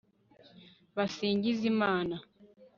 basingize imana